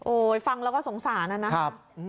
โอ้ยฟังแล้วก็สงสารนะ